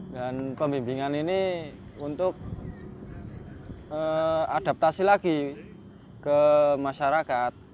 dan pembimbingan ini untuk adaptasi lagi ke masyarakat